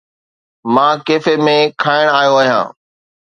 مان ڪيفي ۾ کائڻ آيو آهيان.